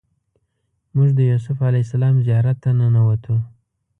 موږ د یوسف علیه السلام زیارت ته ننوتو.